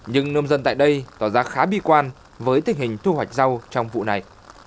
nhưng nông dân tại đây tỏ ra khá bi quan với tình hình thu hoạch rau trong vụ này